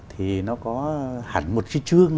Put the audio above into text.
thì nó có hẳn một cái chương